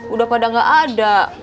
udah pada gak ada